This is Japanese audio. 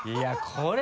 これ。